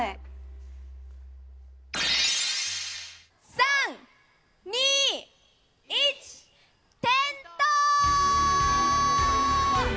３、２、１点灯！